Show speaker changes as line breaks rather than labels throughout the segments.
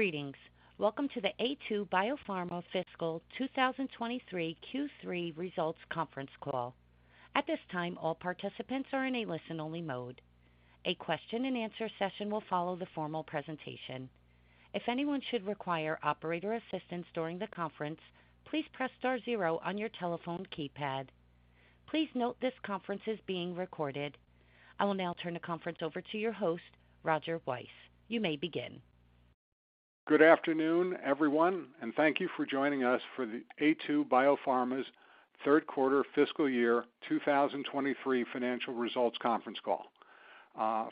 Greetings. Welcome to the Aytu BioPharma Fiscal 2023 Q3 Results Conference Call. At this time, all participants are in a listen-only mode. A question-and-answer session will follow the formal presentation. If anyone should require operator assistance during the conference, please press star zero on your telephone keypad. Please note this conference is being recorded. I will now turn the conference over to your host, Roger Weiss. You may begin.
Good afternoon, everyone. Thank you for joining us for the Aytu BioPharma's 3rd Quarter Fiscal Year 2023 Financial Results Conference Call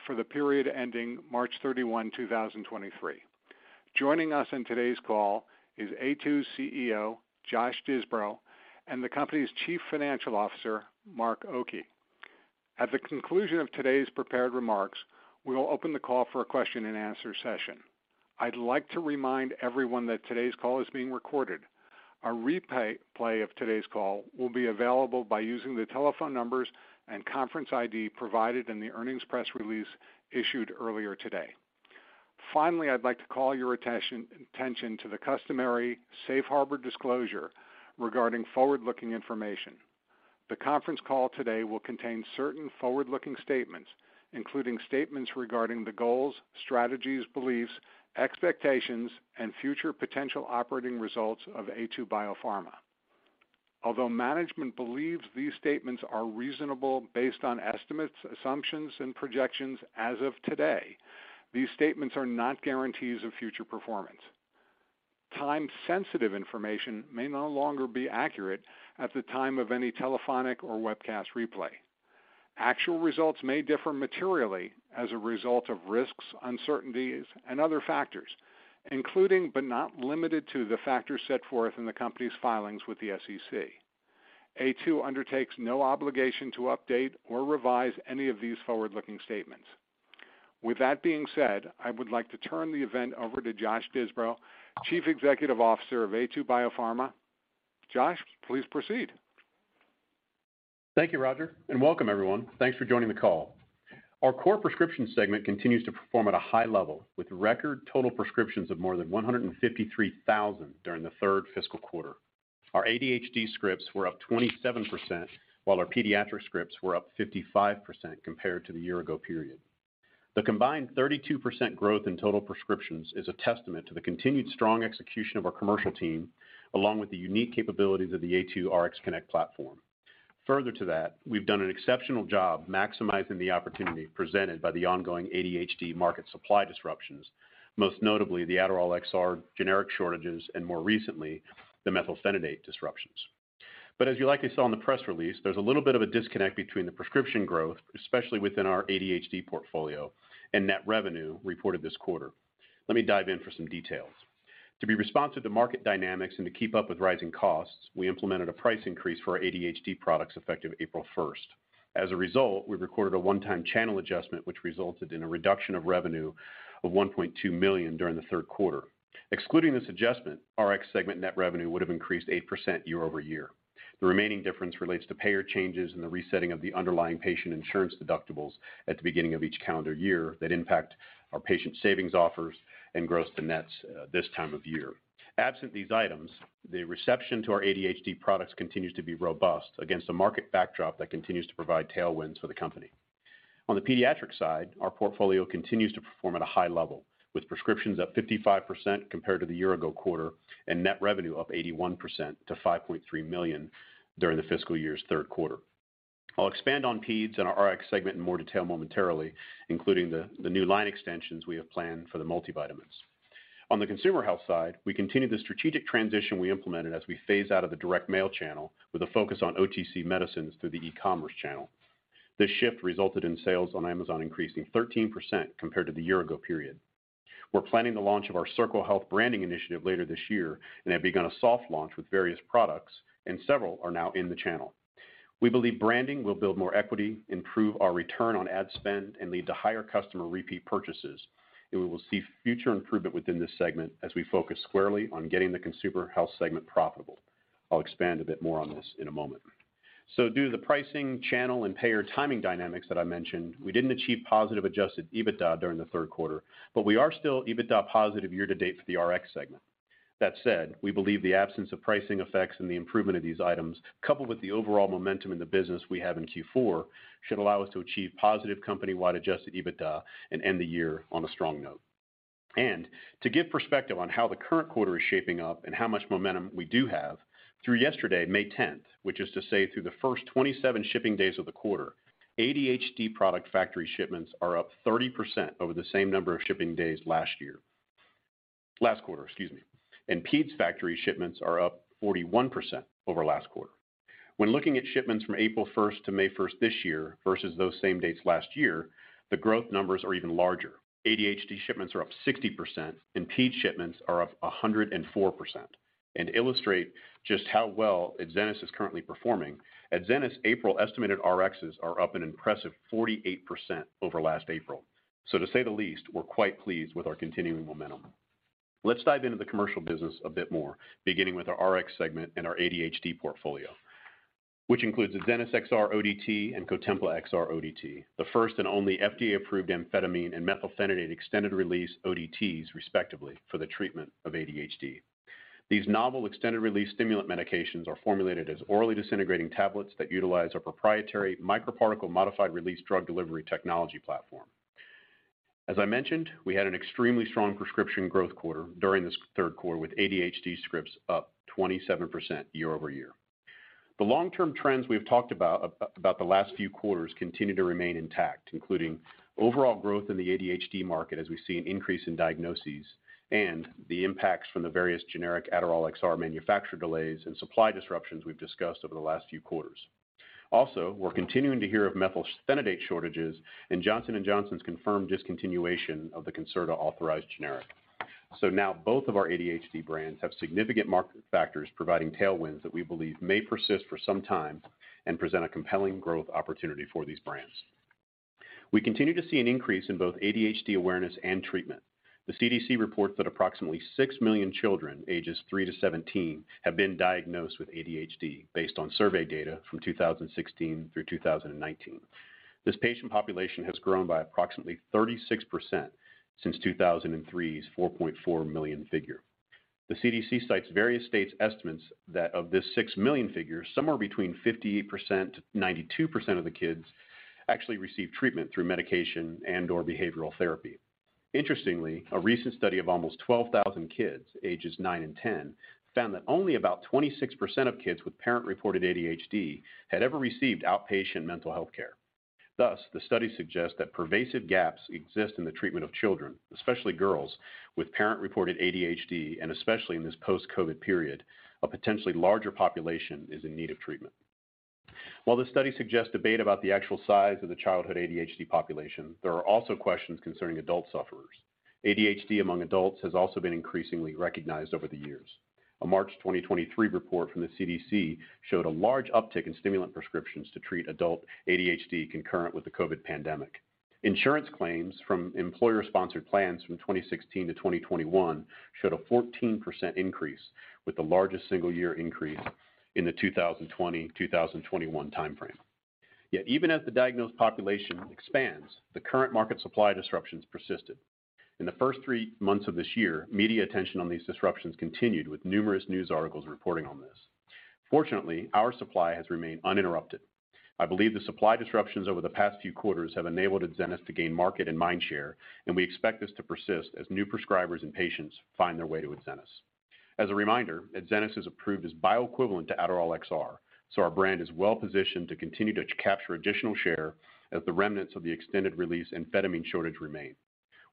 for the period ending March 31, 2023. Joining us on today's call is Aytu's CEO, Josh Disbrow, and the company's Chief Financial Officer, Mark Oki. At the conclusion of today's prepared remarks, we will open the call for a question-and-answer session. I'd like to remind everyone that today's call is being recorded. A replay of today's call will be available by using the telephone numbers and conference ID provided in the earnings press release issued earlier today. Finally, I'd like to call your attention to the customary safe harbor disclosure regarding forward-looking information. The conference call today will contain certain forward-looking statements, including statements regarding the goals, strategies, beliefs, expectations, and future potential operating results of Aytu BioPharma. Although management believes these statements are reasonable based on estimates, assumptions, and projections as of today, these statements are not guarantees of future performance. Time-sensitive information may no longer be accurate at the time of any telephonic or webcast replay. Actual results may differ materially as a result of risks, uncertainties, and other factors, including but not limited to, the factors set forth in the company's filings with the SEC. Aytu undertakes no obligation to update or revise any of these forward-looking statements. With that being said, I would like to turn the event over to Josh Disbrow, Chief Executive Officer of Aytu BioPharma. Josh, please proceed.
Thank you, Roger. Welcome everyone. Thanks for joining the call. Our core prescription segment continues to perform at a high level with record total prescriptions of more than 153,000 during the 3rd fiscal quarter. Our ADHD scripts were up 27%, while our pediatric scripts were up 55% compared to the year ago period. The combined 32% growth in total prescriptions is a testament to the continued strong execution of our commercial team, along with the unique capabilities of the Aytu RxConnect platform. Further to that, we've done an exceptional job maximizing the opportunity presented by the ongoing ADHD market supply disruptions, most notably the Adderall XR generic shortages and more recently, the methylphenidate disruptions. As you likely saw in the press release, there's a little bit of a disconnect between the prescription growth, especially within our ADHD portfolio and net revenue reported this quarter. Let me dive in for some details. To be responsive to market dynamics and to keep up with rising costs, we implemented a price increase for our ADHD products effective April 1st. As a result, we recorded a one-time channel adjustment, which resulted in a reduction of revenue of $1.2 million during the third quarter. Excluding this adjustment, Rx segment net revenue would have increased 8% year-over-year. The remaining difference relates to payer changes in the resetting of the underlying patient insurance deductibles at the beginning of each calendar year that impact our patient savings offers and gross to nets this time of year. Absent these items, the reception to our ADHD products continues to be robust against a market backdrop that continues to provide tailwinds for the company. On the pediatric side, our portfolio continues to perform at a high level, with prescriptions up 55% compared to the year-ago quarter and net revenue up 81% to $5.3 million during the fiscal year's third quarter. I'll expand on pedes and our Rx segment in more detail momentarily, including the new line extensions we have planned for the multivitamins. On the consumer health side, we continue the strategic transition we implemented as we phase out of the direct mail channel with a focus on OTC medicines through the e-commerce channel. This shift resulted in sales on Amazon increasing 13% compared to the year-ago period. We're planning the launch of our Circle Health branding initiative later this year and have begun a soft launch with various products, and several are now in the channel. We believe branding will build more equity, improve our return on ad spend, and lead to higher customer repeat purchases, and we will see future improvement within this segment as we focus squarely on getting the consumer health segment profitable. I'll expand a bit more on this in a moment. Due to the pricing, channel, and payer timing dynamics that I mentioned, we didn't achieve positive adjusted EBITDA during the third quarter, but we are still EBITDA positive year to date for the Rx segment. That said, we believe the absence of pricing effects and the improvement of these items, coupled with the overall momentum in the business we have in Q4, should allow us to achieve positive company-wide adjusted EBITDA and end the year on a strong note. To give perspective on how the current quarter is shaping up and how much momentum we do have, through yesterday, May 10th, which is to say through the first 27 shipping days of the quarter, ADHD product factory shipments are up 30% over the same number of shipping days last year. Last quarter, excuse me. Peds factory shipments are up 41% over last quarter. When looking at shipments from April 1st to May 1st this year versus those same dates last year, the growth numbers are even larger. ADHD shipments are up 60% and pedes shipments are up 104%. To illustrate just how well Adzenys is currently performing, Adzenys April estimated Rxs are up an impressive 48% over last April. To say the least, we're quite pleased with our continuing momentum. Let's dive into the commercial business a bit more, beginning with our Rx segment and our ADHD portfolio. Which includes Adzenys XR-ODT and Cotempla XR-ODT, the first and only FDA-approved amphetamine and methylphenidate extended-release ODTs, respectively, for the treatment of ADHD. These novel extended-release stimulant medications are formulated as orally disintegrating tablets that utilize our proprietary microparticle modified release drug delivery technology platform. As I mentioned, we had an extremely strong prescription growth quarter during this third quarter, with ADHD scripts up 27% year-over-year. The long-term trends we have talked about the last few quarters continue to remain intact, including overall growth in the ADHD market as we see an increase in diagnoses and the impacts from the various generic Adderall XR manufacture delays and supply disruptions we've discussed over the last few quarters. We're continuing to hear of methylphenidate shortages and Johnson & Johnson's confirmed discontinuation of the CONCERTA authorized generic. Now both of our ADHD brands have significant market factors providing tailwinds that we believe may persist for some time and present a compelling growth opportunity for these brands. We continue to see an increase in both ADHD awareness and treatment. The CDC reports that approximately 6 million children, ages 3 to 17, have been diagnosed with ADHD based on survey data from 2016 through 2019. This patient population has grown by approximately 36% since 2003's 4.4 million figure. The CDC cites various states' estimates that of this 6 million figures, somewhere between 58%-92% of the kids actually receive treatment through medication and/or behavioral therapy. Interestingly, a recent study of almost 12,000 kids, ages 9 and 10, found that only about 26% of kids with parent-reported ADHD had ever received outpatient mental health care. The study suggests that pervasive gaps exist in the treatment of children, especially girls, with parent-reported ADHD, and especially in this post-COVID period, a potentially larger population is in need of treatment. The study suggests debate about the actual size of the childhood ADHD population, there are also questions concerning adult sufferers. ADHD among adults has also been increasingly recognized over the years. A March 2023 report from the CDC showed a large uptick in stimulant prescriptions to treat adult ADHD concurrent with the COVID pandemic. Insurance claims from employer-sponsored plans from 2016 to 2021 showed a 14% increase, with the largest single year increase in the 2020, 2021 timeframe. Even as the diagnosed population expands, the current market supply disruptions persisted. In the first three months of this year, media attention on these disruptions continued with numerous news articles reporting on this. Fortunately, our supply has remained uninterrupted. I believe the supply disruptions over the past few quarters have enabled Adzenys to gain market and mind share, and we expect this to persist as new prescribers and patients find their way to Adzenys. A reminder, Adzenys is approved as bioequivalent to Adderall XR, our brand is well positioned to continue to capture additional share as the remnants of the extended release amphetamine shortage remain.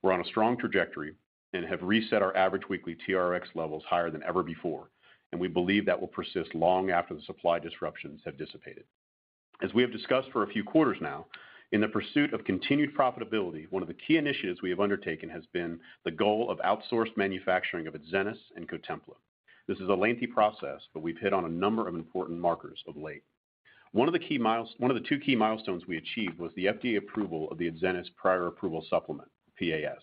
We're on a strong trajectory, have reset our average weekly TRx levels higher than ever before, we believe that will persist long after the supply disruptions have dissipated. As we have discussed for a few quarters now, in the pursuit of continued profitability, one of the key initiatives we have undertaken has been the goal of outsourced manufacturing of Adzenys and Cotempla. This is a lengthy process, we've hit on a number of important markers of late. One of the 2 key milestones we achieved was the FDA approval of the Adzenys Prior Approval Supplement, PAS.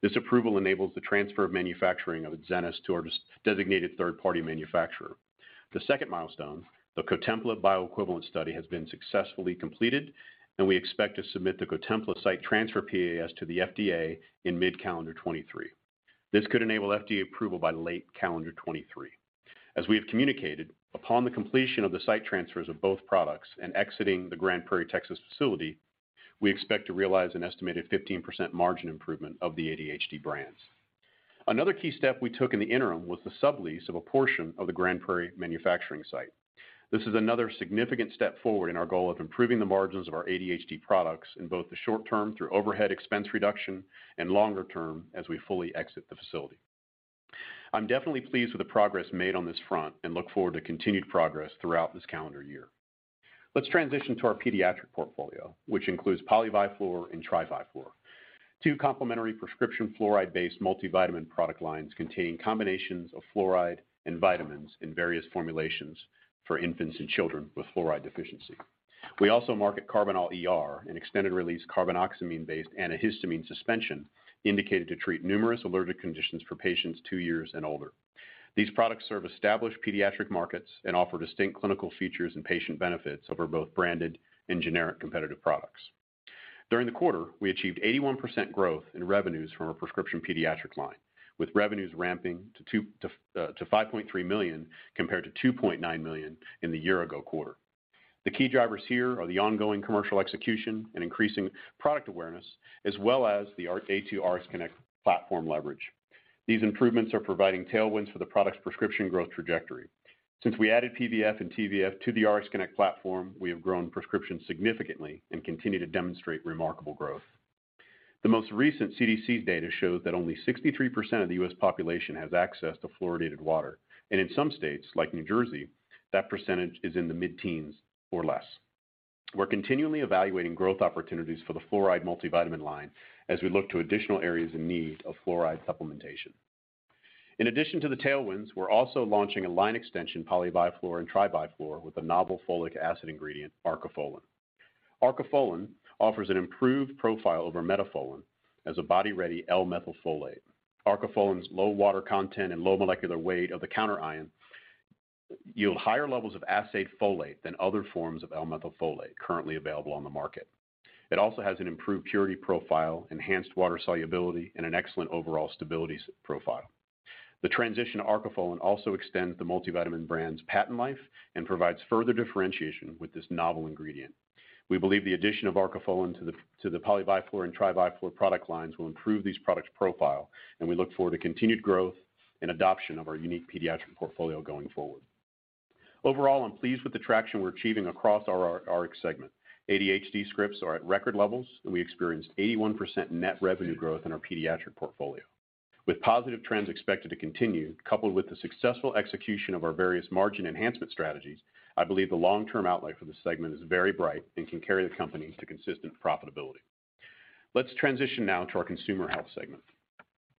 This approval enables the transfer of manufacturing of Adzenys to our designated third-party manufacturer. The second milestone, the Cotempla Bioequivalence Study, has been successfully completed, and we expect to submit the Cotempla site transfer PAS to the FDA in mid-calendar 2023. This could enable FDA approval by late calendar 2023. As we have communicated, upon the completion of the site transfers of both products and exiting the Grand Prairie, TX facility, we expect to realize an estimated 15% margin improvement of the ADHD brands. A key step we took in the interim was the sublease of a portion of the Grand Prairie manufacturing site. This is another significant step forward in our goal of improving the margins of our ADHD products in both the short term through overhead expense reduction and longer term as we fully exit the facility. I'm definitely pleased with the progress made on this front and look forward to continued progress throughout this calendar year. Let's transition to our pediatric portfolio, which includes Poly-Vi-Flor and Tri-Vi-Flor. Two complementary prescription fluoride-based multivitamin product lines containing combinations of fluoride and vitamins in various formulations for infants and children with fluoride deficiency. We also market Karbinal ER, an extended-release carbinoxamine-based antihistamine suspension indicated to treat numerous allergic conditions for patients two years and older. These products serve established pediatric markets and offer distinct clinical features and patient benefits over both branded and generic competitive products. During the quarter, we achieved 81% growth in revenues from our prescription pediatric line, with revenues ramping to $5.3 million compared to $2.9 million in the year-ago quarter. The key drivers here are the ongoing commercial execution and increasing product awareness, as well as the Aytu RxConnect platform leverage. These improvements are providing tailwinds for the product's prescription growth trajectory. Since we added PVF and TVF to the RxConnect platform, we have grown prescriptions significantly and continue to demonstrate remarkable growth. The most recent CDC data shows that only 63% of the U.S. population has access to fluoridated water. In some states, like New Jersey, that percentage is in the mid-teens or less. We're continually evaluating growth opportunities for the fluoride multivitamin line as we look to additional areas in need of fluoride supplementation. In addition to the tailwinds, we're also launching a line extension, Poly-Vi-Flor and Tri-Vi-Flor, with a novel folic acid ingredient, Arcofolin. Arcofolin offers an improved profile over Metafolin as a body-ready L-methylfolate. Arcofolin's low water content and low molecular weight of the counter ion yield higher levels of assayed folate than other forms of L-methylfolate currently available on the market. It also has an improved purity profile, enhanced water solubility, and an excellent overall stability profile. The transition to Arcofolin also extends the multivitamin brand's patent life and provides further differentiation with this novel ingredient. We believe the addition of Arcofolin to the Poly-Vi-Flor and Tri-Vi-Flor product lines will improve these products' profile, and we look forward to continued growth and adoption of our unique pediatric portfolio going forward. Overall, I'm pleased with the traction we're achieving across our Rx segment. ADHD scripts are at record levels, and we experienced 81% net revenue growth in our pediatric portfolio. With positive trends expected to continue, coupled with the successful execution of our various margin enhancement strategies, I believe the long-term outlook for this segment is very bright and can carry the company to consistent profitability. Let's transition now to our Consumer Health segment.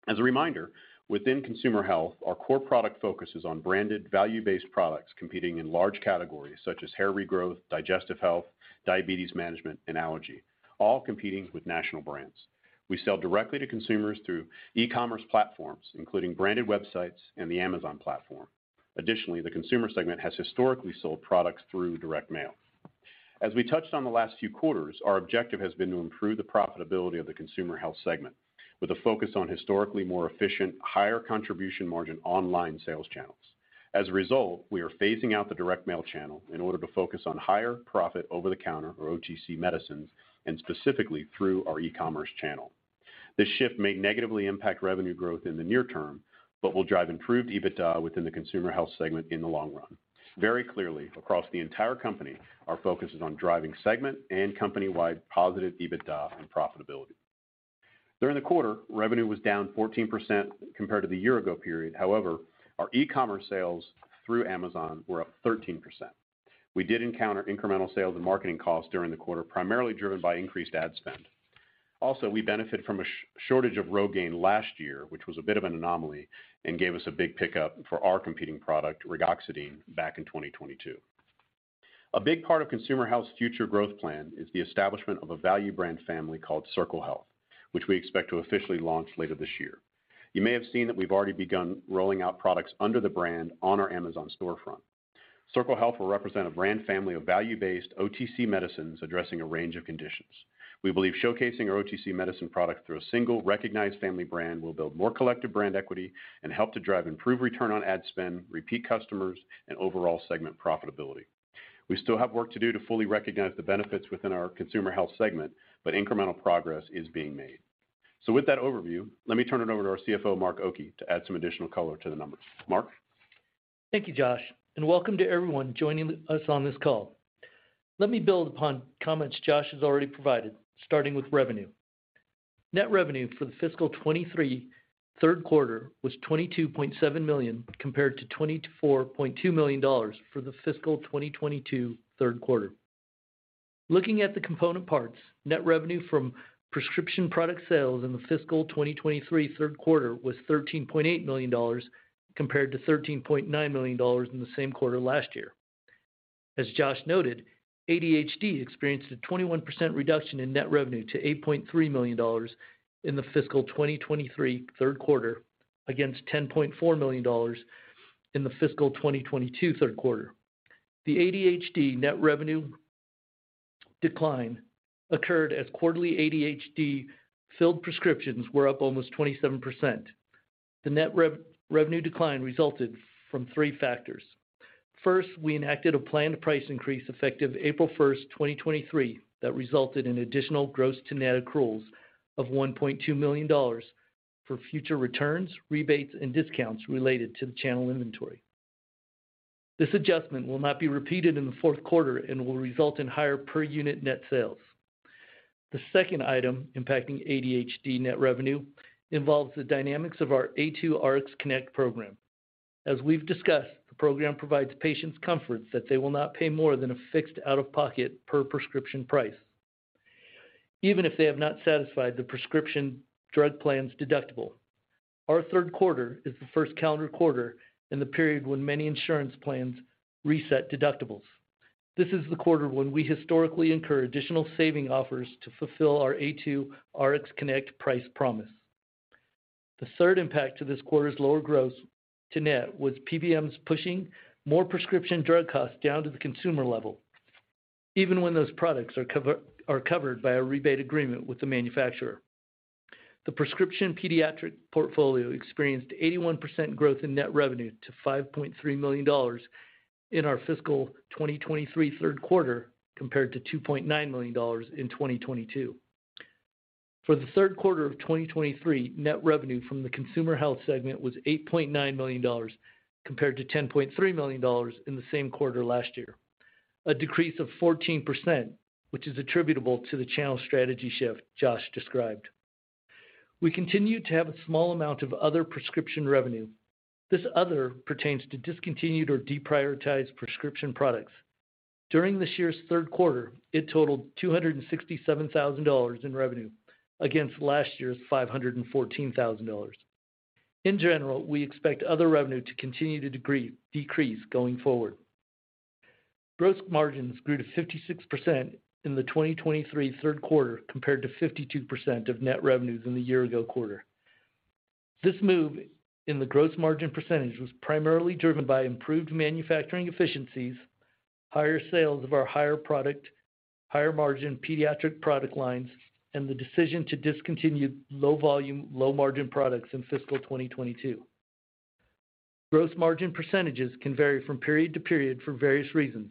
As a reminder, within Consumer Health, our core product focus is on branded, value-based products competing in large categories such as hair regrowth, digestive health, diabetes management, and allergy, all competing with national brands. We sell directly to consumers through e-commerce platforms, including branded websites and the Amazon platform. Additionally, the Consumer Health segment has historically sold products through direct mail. As we touched on the last few quarters, our objective has been to improve the profitability of the Consumer Health segment with a focus on historically more efficient, higher contribution margin online sales channels. As a result, we are phasing out the direct mail channel in order to focus on higher profit over-the-counter or OTC medicines, and specifically through our e-commerce channel. This shift may negatively impact revenue growth in the near term, but will drive improved EBITDA within the Consumer Health segment in the long run. Very clearly, across the entire company, our focus is on driving segment and company-wide positive EBITDA and profitability. During the quarter, revenue was down 14% compared to the year ago period. However, our e-commerce sales through Amazon were up 13%. We did encounter incremental sales and marketing costs during the quarter, primarily driven by increased ad spend. Also, we benefit from a shortage of ROGAINE last year, which was a bit of an anomaly and gave us a big pickup for our competing product, Regoxidine, back in 2022. A big part of Consumer Health's future growth plan is the establishment of a value brand family called Circle Health, which we expect to officially launch later this year. You may have seen that we've already begun rolling out products under the brand on our Amazon storefront. Circle Health will represent a brand family of value-based OTC medicines addressing a range of conditions. We believe showcasing our OTC medicine products through a single recognized family brand will build more collective brand equity and help to drive improved return on ad spend, repeat customers, and overall segment profitability. We still have work to do to fully recognize the benefits within our Consumer Health segment, but incremental progress is being made. With that overview, let me turn it over to our CFO, Mark Oki, to add some additional color to the numbers. Mark?
Thank you, Josh, and welcome to everyone joining us on this call. Let me build upon comments Josh has already provided, starting with revenue. Net revenue for the fiscal 2023 third quarter was $22.7 million compared to $24.2 million for the fiscal 2022 third quarter. Looking at the component parts, net revenue from prescription product sales in the fiscal 2023 third quarter was $13.8 million compared to $13.9 million in the same quarter last year. As Josh noted, ADHD experienced a 21% reduction in net revenue to $8.3 million in the fiscal 2023 third quarter against $10.4 million in the fiscal 2022 third quarter. The ADHD net revenue decline occurred as quarterly ADHD filled prescriptions were up almost 27%. The net revenue decline resulted from three factors. We enacted a planned price increase effective April 1, 2023, that resulted in additional gross to net accruals of $1.2 million for future returns, rebates, and discounts related to the channel inventory. This adjustment will not be repeated in the fourth quarter and will result in higher per unit net sales. The second item impacting ADHD net revenue involves the dynamics of our Aytu RxConnect program. As we've discussed, the program provides patients comfort that they will not pay more than a fixed out-of-pocket per prescription price, even if they have not satisfied the prescription drug plan's deductible. Our third quarter is the first calendar quarter in the period when many insurance plans reset deductibles. This is the quarter when we historically incur additional saving offers to fulfill our Aytu RxConnect price promise. The third impact to this quarter's lower gross to net was PBMs pushing more prescription drug costs down to the consumer level even when those products are covered by a rebate agreement with the manufacturer. The prescription pediatric portfolio experienced 81% growth in net revenue to $5.3 million in our fiscal 2023 third quarter, compared to $2.9 million in 2022. For the third quarter of 2023, net revenue from the Consumer Health segment was $8.9 million compared to $10.3 million in the same quarter last year, a decrease of 14%, which is attributable to the channel strategy shift Josh described. We continue to have a small amount of other prescription revenue. This other pertains to discontinued or deprioritized prescription products. During this year's third quarter, it totaled $267,000 in revenue against last year's $514,000. In general, we expect other revenue to continue to decrease going forward. Gross margins grew to 56% in the 2023 third quarter compared to 52% of net revenues in the year ago quarter. This move in the gross margin percentage was primarily driven by improved manufacturing efficiencies, higher sales of our higher product, higher-margin pediatric product lines, and the decision to discontinue low volume, low margin products in fiscal 2022. Gross margin % can vary from period to period for various reasons,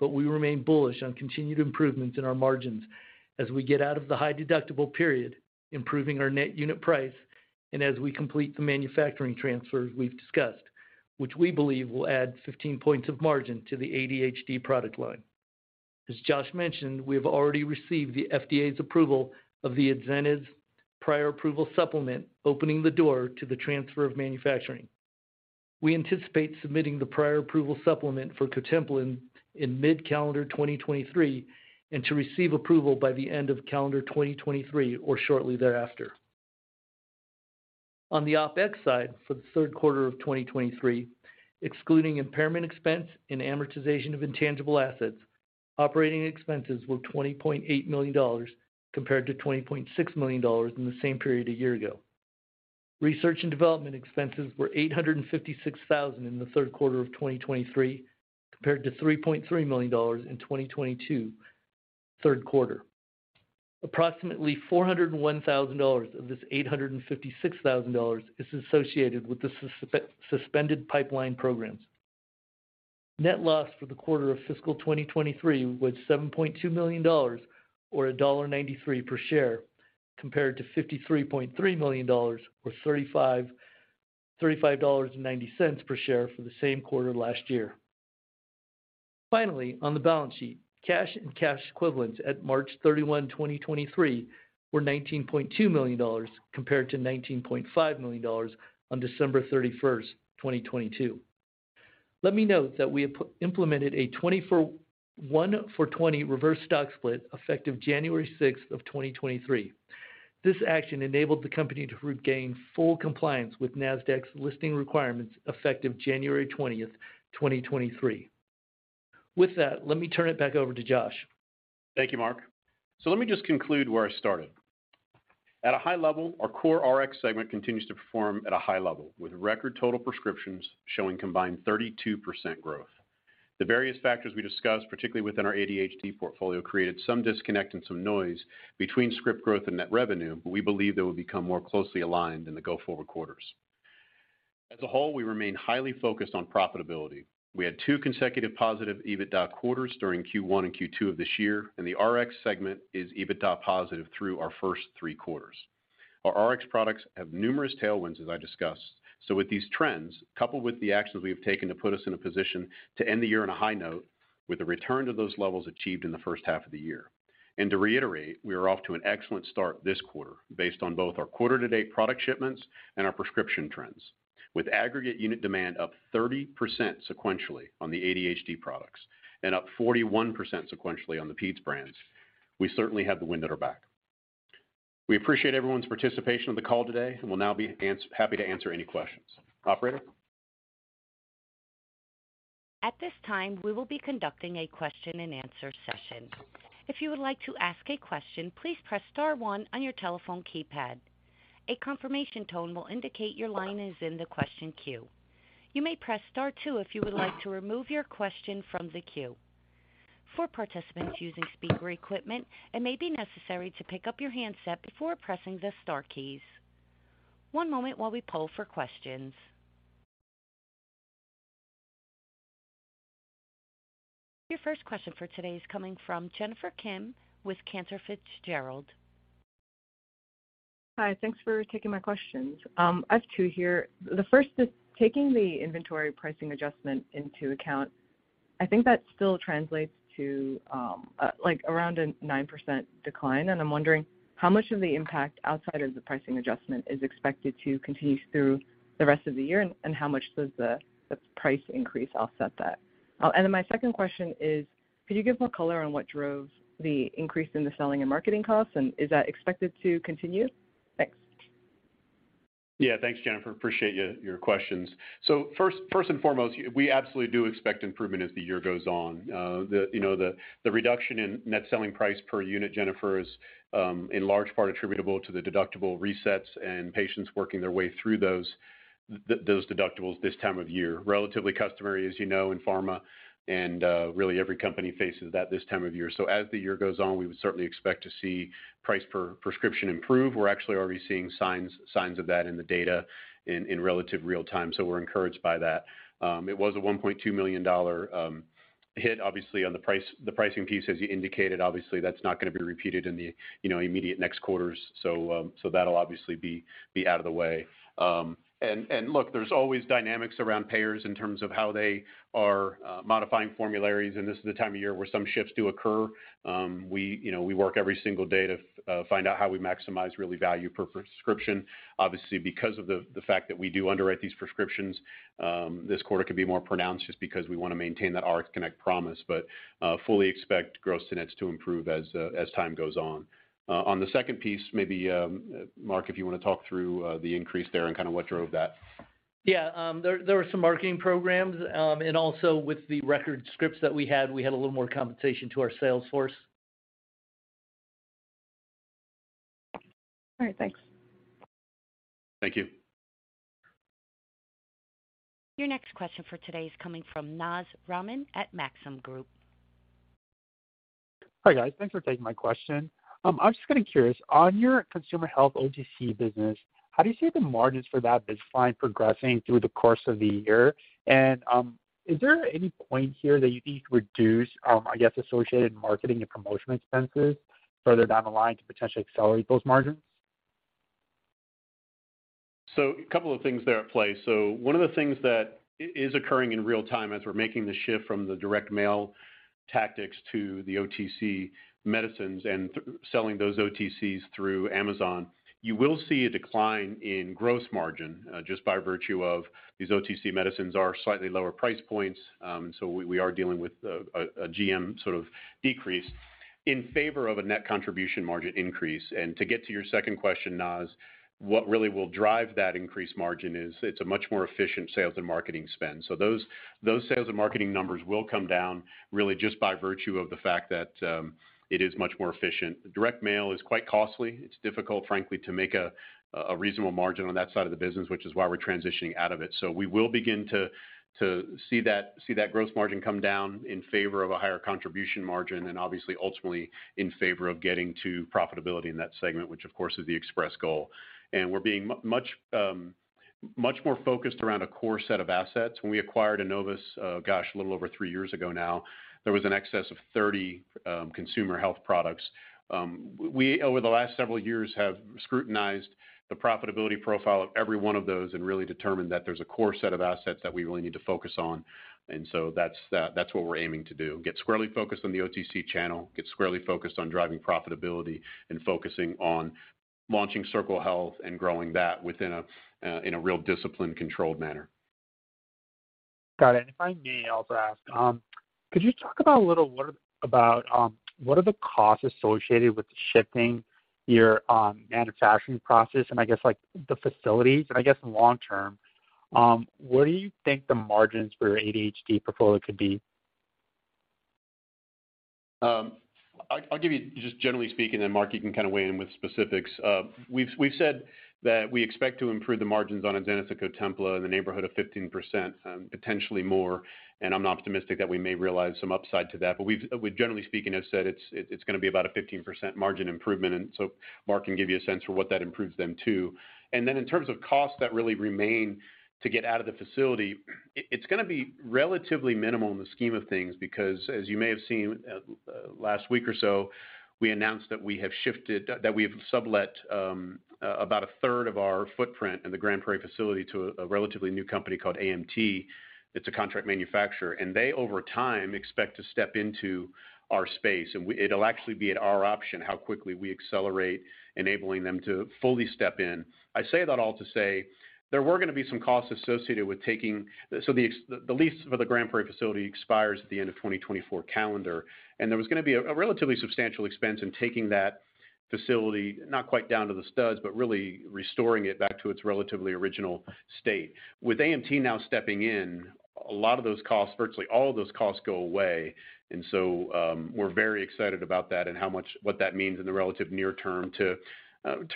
but we remain bullish on continued improvements in our margins as we get out of the high deductible period, improving our net unit price, and as we complete the manufacturing transfers we've discussed, which we believe will add 15 points of margin to the ADHD product line. As Josh mentioned, we have already received the FDA's approval of the Adzenys Prior Approval Supplement, opening the door to the transfer of manufacturing. We anticipate submitting the Prior Approval Supplement for Cotempla in mid-calendar 2023 and to receive approval by the end of calendar 2023 or shortly thereafter. On the OpEx side, for the third quarter of 2023, excluding impairment expense and amortization of intangible assets, operating expenses were $20.8 million compared to $20.6 million in the same period a year ago. Research and development expenses were $856,000 in the third quarter of 2023, compared to $3.3 million in 2022 third quarter. Approximately $401,000 of this $856,000 is associated with the suspended pipeline programs. Net loss for the quarter of fiscal 2023 was $7.2 million or $1.93 per share, compared to $53.3 million or $35.90 per share for the same quarter last year. Finally, on the balance sheet, cash and cash equivalents at March 31, 2023 were $19.2 million compared to $19.5 million on December 31, 2022. Let me note that we have implemented a 1 for 20 reverse stock split effective January 6, 2023. This action enabled the company to regain full compliance with Nasdaq's listing requirements effective January 20, 2023. With that, let me turn it back over to Josh.
Thank you, Mark. Let me just conclude where I started. At a high level, our core Rx segment continues to perform at a high level with record total prescriptions showing combined 32% growth. The various factors we discussed, particularly within our ADHD portfolio, created some disconnect and some noise between script growth and net revenue, but we believe they will become more closely aligned in the go-forward quarters. As a whole, we remain highly focused on profitability. We had two consecutive positive EBITDA quarters during Q1 and Q2 of this year, and the Rx segment is EBITDA positive through our first three quarters. Our Rx products have numerous tailwinds, as I discussed. With these trends, coupled with the actions we have taken to put us in a position to end the year on a high note with a return to those levels achieved in the first half of the year. To reiterate, we are off to an excellent start this quarter based on both our quarter to date product shipments and our prescription trends. With aggregate unit demand up 30% sequentially on the ADHD products and up 41% sequentially on the Peds brands, we certainly have the wind at our back. We appreciate everyone's participation on the call today, and we'll now be happy to answer any questions. Operator?
At this time, we will be conducting a question and answer session. If you would like to ask a question, please press star one on your telephone keypad. A confirmation tone will indicate your line is in the question queue. You may press Star two if you would like to remove your question from the queue. For participants using speaker equipment, it may be necessary to pick up your handset before pressing the star keys. One moment while we poll for questions. Your first question for today is coming from Jennifer Kim with Cantor Fitzgerald.
Hi. Thanks for taking my questions. I have two here. The first is taking the inventory pricing adjustment into account, I think that still translates to, like, around a 9% decline, and I'm wondering how much of the impact outside of the pricing adjustment is expected to continue through the rest of the year, and how much does the price increase offset that? And then my second question is, could you give more color on what drove the increase in the selling and marketing costs, and is that expected to continue? Thanks.
Yeah. Thanks, Jennifer. Appreciate your questions. First and foremost, we absolutely do expect improvement as the year goes on. The, you know, the reduction in net selling price per unit, Jennifer, is in large part attributable to the deductible resets and patients working their way through those deductibles this time of year. Relatively customary, as you know, in pharma and really every company faces that this time of year. As the year goes on, we would certainly expect to see price per prescription improve. We're actually already seeing signs of that in the data in relative real-time. We're encouraged by that. It was a $1.2 million hit obviously on the pricing piece, as you indicated. Obviously, that's not going to be repeated in the, you know, immediate next quarters. That'll obviously be out of the way. And look, there's always dynamics around payers in terms of how they are modifying formularies, and this is the time of year where some shifts do occur. We, you know, we work every single day to find out how we maximize really value per prescription. Obviously, because of the fact that we do underwrite these prescriptions, this quarter could be more pronounced just because we want to maintain that RxConnect promise. Fully expect gross to nets to improve as time goes on. On the second piece, maybe, Mark, if you want to talk through the increase there and kind of what drove that.
Yeah, there were some marketing programs, and also with the record scripts that we had, we had a little more compensation to our sales force.
All right, thanks.
Thank you.
Your next question for today is coming from Naz Rahman at Maxim Group.
Hi, guys. Thanks for taking my question. I was just kind of curious, on your consumer health OTC business, how do you see the margins for that baseline progressing through the course of the year? Is there any point here that you need to reduce, I guess, associated marketing and promotion expenses further down the line to potentially accelerate those margins?
A couple of things there at play. One of the things that is occurring in real-time as we're making the shift from the direct mail tactics to the OTC medicines and selling those OTCs through Amazon, you will see a decline in gross margin, just by virtue of these OTC medicines are slightly lower price points. We, we are dealing with a GM sort of decrease in favor of a net contribution margin increase. To get to your second question, Naz, what really will drive that increased margin is it's a much more efficient sales and marketing spend. Those sales and marketing numbers will come down really just by virtue of the fact that it is much more efficient. Direct mail is quite costly. It's difficult, frankly, to make a reasonable margin on that side of the business, which is why we're transitioning out of it. We will begin to see that gross margin come down in favor of a higher contribution margin, and obviously ultimately in favor of getting to profitability in that segment, which of course is the express goal. We're being much more focused around a core set of assets. When we acquired Innovus, gosh, a little over 3 years ago now, there was an excess of 30 consumer health products. We over the last several years, have scrutinized the profitability profile of every one of those and really determined that there's a core set of assets that we really need to focus on. That's what we're aiming to do, get squarely focused on the OTC channel, get squarely focused on driving profitability and focusing on launching Circle Health and growing that within a in a real disciplined, controlled manner.
Got it. If I may also ask, could you talk about what about, what are the costs associated with shifting your manufacturing process and I guess, like, the facilities? I guess in long term, what do you think the margins for your ADHD portfolio could be?
I'll give you just generally speaking, and Mark, you can kinda weigh in with specifics. We've said that we expect to improve the margins on Adzenys and Cotempla in the neighborhood of 15%, potentially more, and I'm optimistic that we may realize some upside to that. We've generally speaking, have said it's gonna be about a 15% margin improvement. Mark can give you a sense for what that improves them too. Then in terms of costs that really remain to get out of the facility, it's gonna be relatively minimal in the scheme of things because as you may have seen, last week or so, we announced that we have sublet, about a third of our footprint in the Grand Prairie facility to a relatively new company called AMT. It's a contract manufacturer, and they over time expect to step into our space. It'll actually be at our option how quickly we accelerate enabling them to fully step in. I say that all to say there were gonna be some costs associated with taking... The lease for the Grand Prairie facility expires at the end of 2024 calendar, and there was gonna be a relatively substantial expense in taking that facility, not quite down to the studs, but really restoring it back to its relatively original state. With AMT now stepping in, a lot of those costs, virtually all of those costs go away. we're very excited about that and how much what that means in the relative near term to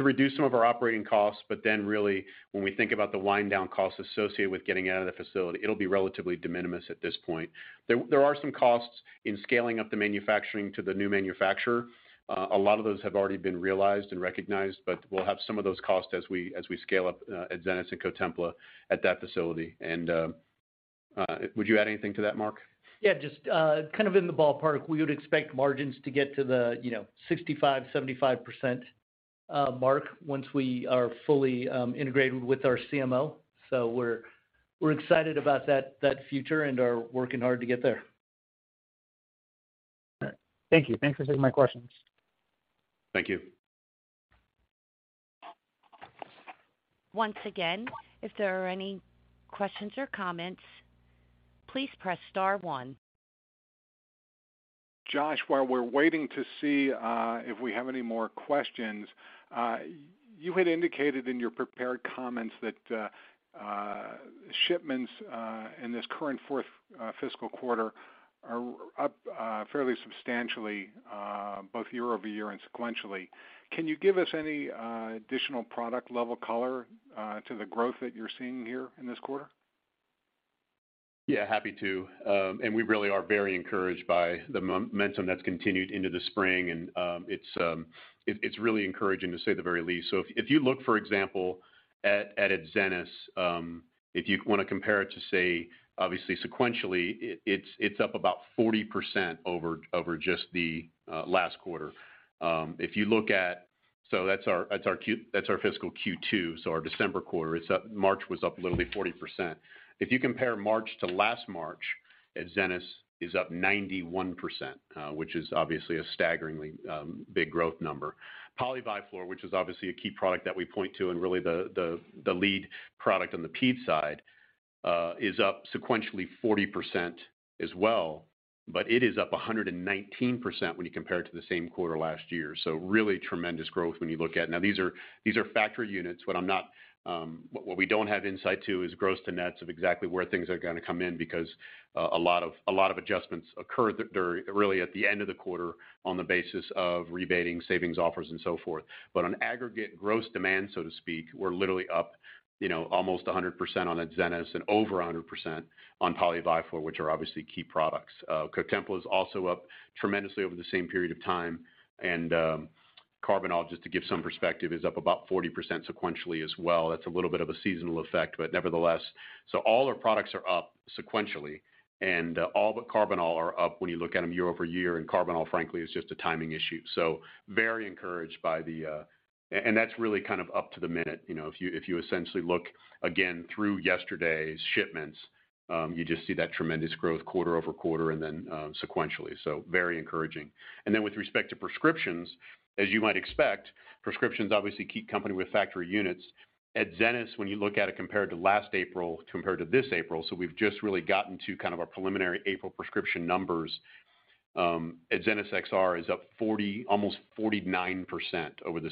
reduce some of our operating costs. Really when we think about the wind down costs associated with getting out of the facility, it'll be relatively de minimis at this point. There are some costs in scaling up the manufacturing to the new manufacturer. A lot of those have already been realized and recognized, but we'll have some of those costs as we, as we scale up Adzenys and Cotempla at that facility. Would you add anything to that, Mark?
Yeah, just, kind of in the ballpark, we would expect margins to get to the, you know, 65%-75% mark once we are fully integrated with our CMO. We're excited about that future and are working hard to get there.
All right. Thank you. Thanks for taking my questions.
Thank you.
Once again, if there are any questions or comments, please press star one.
Josh, while we're waiting to see, if we have any more questions, you had indicated in your prepared comments that shipments in this current fourth fiscal quarter are up fairly substantially, both year-over-year and sequentially. Can you give us any additional product level color to the growth that you're seeing here in this quarter?
Happy to. We really are very encouraged by the momentum that's continued into the spring. It's, it's really encouraging, to say the very least. If you look, for example, at Adzenys, if you wanna compare it to, say, obviously sequentially, it's up about 40% over just the last quarter. If you look at... That's our fiscal Q2, so our December quarter, it's up, March was up literally 40%. If you compare March to last March, Adzenys is up 91%, which is obviously a staggeringly big growth number. Poly-Vi-Flor, which is obviously a key product that we point to and really the lead product on the ped side, is up sequentially 40% as well, but it is up 119% when you compare it to the same quarter last year. Really tremendous growth when you look at. Now, these are factory units. What I'm not, what we don't have insight to is gross to nets of exactly where things are gonna come in because a lot of adjustments occur really at the end of the quarter on the basis of rebating savings offers and so forth. On aggregate gross demand, so to speak, we're literally up, you know, almost 100% on Adzenys and over 100% on Poly-Vi for which are obviously key products. Cotempla is also up tremendously over the same period of time. Karbinal, just to give some perspective, is up about 40% sequentially as well. That's a little bit of a seasonal effect, but nevertheless. All our products are up sequentially and all but Karbinal are up when you look at them year-over-year, and Karbinal, frankly, is just a timing issue. Very encouraged by the. That's really kind of up to the minute. You know, if you essentially look again through yesterday's shipments, you just see that tremendous growth quarter-over-quarter and then sequentially, very encouraging. With respect to prescriptions, as you might expect, prescriptions obviously keep company with factory units. Adzenys, when you look at it compared to last April, compared to this April, so we've just really gotten to kind of our preliminary April prescription numbers. Adzenys XR is up 40, almost 49% over the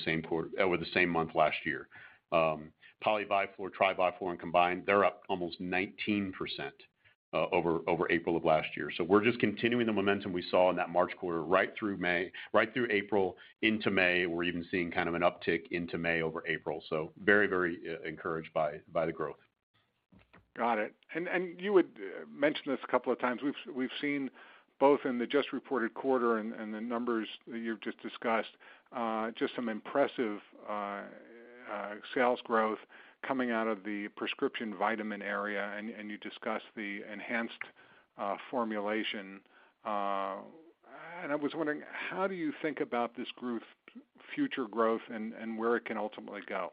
same month last year. Poly-Vi-Flor, or Tri-Vi-Flor combined, they're up almost 19% over April of last year. We're just continuing the momentum we saw in that March quarter right through May, right through April into May. We're even seeing kind of an uptick into May over April, so very, very encouraged by the growth.
Got it. You had mentioned this a couple of times. We've seen both in the just reported quarter and the numbers that you've just discussed, just some impressive sales growth coming out of the prescription vitamin area, and you discussed the enhanced formulation. I was wondering, how do you think about this growth, future growth and where it can ultimately go?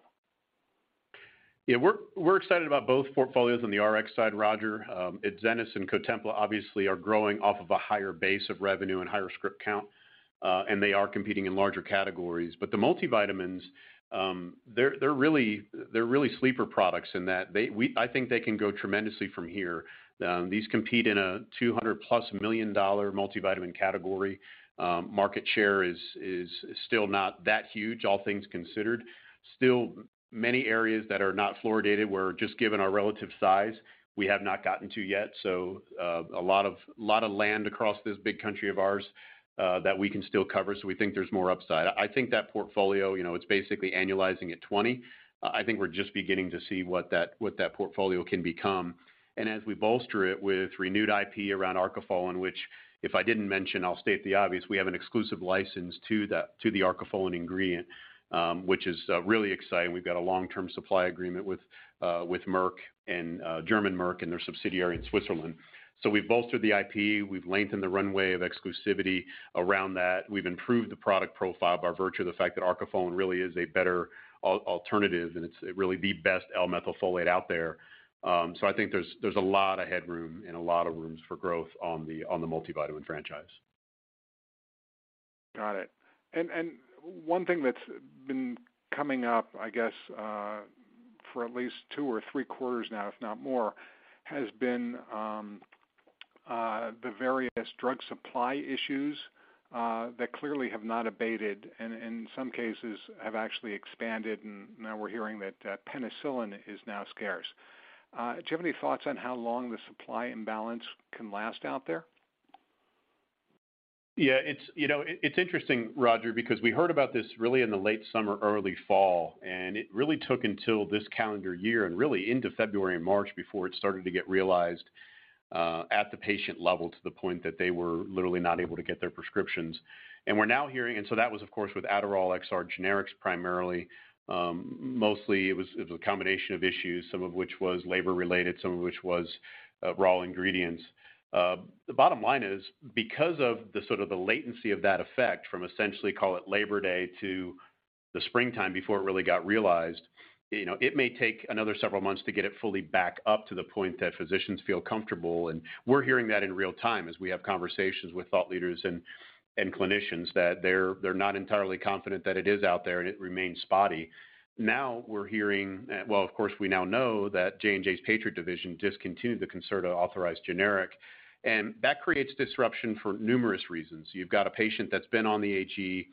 We're excited about both portfolios on the Rx side, Roger. Adzenys and Cotempla obviously are growing off of a higher base of revenue and higher script count, and they are competing in larger categories. The multivitamins, they're really sleeper products in that I think they can go tremendously from here. These compete in a $200+ million multivitamin category. Market share is still not that huge, all things considered. Still many areas that are not fluoridated, where just given our relative size, we have not gotten to yet. A lot of land across this big country of ours that we can still cover. We think there's more upside. I think that portfolio, you know, it's basically annualizing at $20 million. I think we're just beginning to see what that portfolio can become. As we bolster it with renewed IP around Arcofol, which if I didn't mention, I'll state the obvious, we have an exclusive license to the Arcofol ingredient, which is really exciting. We've got a long-term supply agreement with Merck and German Merck and their subsidiary in Switzerland. We've bolstered the IP, we've lengthened the runway of exclusivity around that. We've improved the product profile by virtue of the fact that Arcofol really is a better alternative, and it's really the best L-methylfolate out there. I think there's a lot of headroom and a lot of rooms for growth on the multivitamin franchise.
Got it. One thing that's been coming up, I guess, for at least two or three quarters now, if not more, has been, the various drug supply issues, that clearly have not abated and in some cases have actually expanded, and now we're hearing that, penicillin is now scarce. Do you have any thoughts on how long the supply imbalance can last out there?
Yeah. It's, you know, it's interesting, Roger, because we heard about this really in the late summer, early fall, it really took until this calendar year and really into February and March before it started to get realized at the patient level to the point that they were literally not able to get their prescriptions. We're now hearing that was, of course, with Adderall XR generics primarily. Mostly it was a combination of issues, some of which was labor related, some of which was raw ingredients. The bottom line is, because of the sort of the latency of that effect from essentially call it Labor Day to the springtime before it really got realized, you know, it may take another several months to get it fully back up to the point that physicians feel comfortable. We're hearing that in real time as we have conversations with thought leaders and clinicians that they're not entirely confident that it is out there, and it remains spotty. We're hearing, well, of course, we now know that J&J's Patriot division discontinued the CONCERTA authorized generic, and that creates disruption for numerous reasons. You've got a patient that's been on the HE,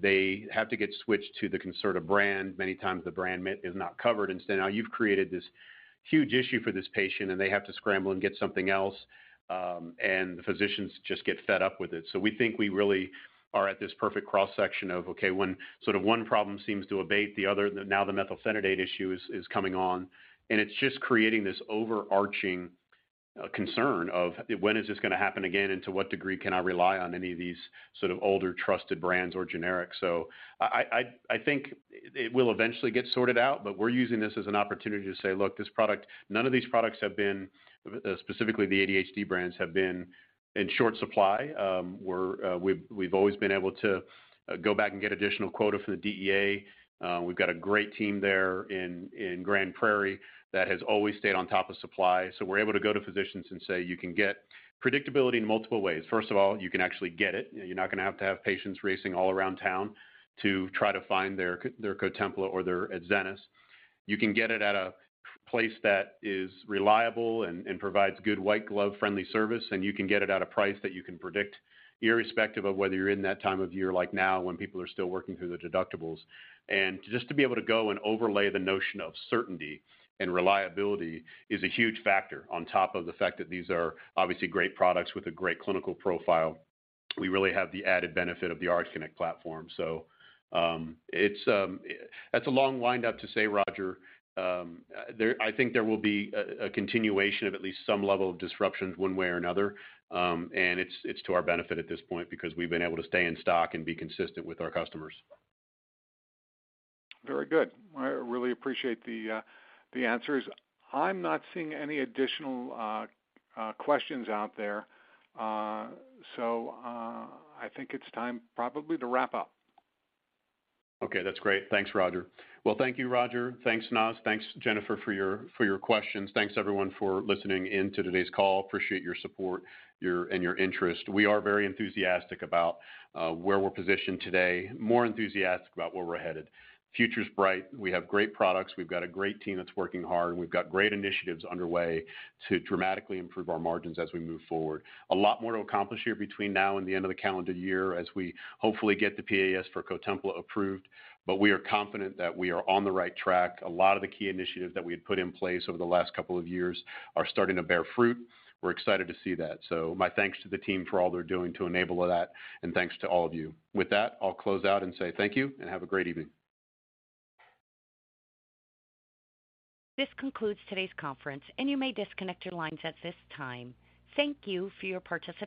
they have to get switched to the CONCERTA brand. Many times the brand is not covered, so now you've created this huge issue for this patient, and they have to scramble and get something else. The physicians just get fed up with it. We think we really are at this perfect cross-section of, okay, when sort of one problem seems to abate, the other, now the methylphenidate issue is coming on, and it's just creating this overarching concern of when is this gonna happen again, and to what degree can I rely on any of these sort of older trusted brands or generics? I think it will eventually get sorted out, but we're using this as an opportunity to say, "Look, this product, none of these products have been specifically the ADHD brands have been in short supply." We've always been able to go back and get additional quota from the DEA. We've got a great team there in Grand Prairie that has always stayed on top of supply. We're able to go to physicians and say, you can get predictability in multiple ways. First of all, you can actually get it. You're not gonna have to have patients racing all around town to try to find their Cotempla or their Adzenys. You can get it at a place that is reliable and provides good white glove friendly service, and you can get it at a price that you can predict irrespective of whether you're in that time of year, like now, when people are still working through their deductibles. Just to be able to go and overlay the notion of certainty and reliability is a huge factor on top of the fact that these are obviously great products with a great clinical profile. We really have the added benefit of the RxConnect platform. It's... That's a long wind up to say, Roger, I think there will be a continuation of at least some level of disruptions one way or another. It's to our benefit at this point because we've been able to stay in stock and be consistent with our customers.
Very good. I really appreciate the answers. I'm not seeing any additional, questions out there. I think it's time probably to wrap up.
Okay, that's great. Thanks, Roger. Well, thank you, Roger. Thanks, Naz. Thanks, Jennifer, for your questions. Thanks, everyone, for listening in to today's call. Appreciate your support and your interest. We are very enthusiastic about where we're positioned today, more enthusiastic about where we're headed. Future's bright. We have great products. We've got a great team that's working hard, and we've got great initiatives underway to dramatically improve our margins as we move forward. A lot more to accomplish here between now and the end of the calendar year as we hopefully get the PAS for Cotempla approved. We are confident that we are on the right track. A lot of the key initiatives that we had put in place over the last 2 years are starting to bear fruit. We're excited to see that. My thanks to the team for all they're doing to enable that. Thanks to all of you. With that, I'll close out and say thank you, and have a great evening.
This concludes today's conference. You may disconnect your lines at this time. Thank you for your participation.